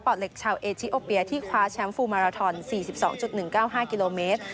เหล็กชาวเอชิโอเปียที่คว้าแชมป์ฟูมาราทอน๔๒๑๙๕กิโลเมตร